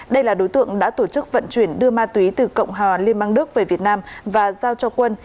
đây là đối tượng đã tổ chức vận chuyển đưa ma túy từ cộng hòa liên bang đức về việt nam và giao cho quân